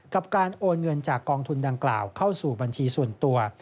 กับการโอนเงินจากกองทุนดังกล่าวเข้าสู่บัญชีส่วนตัว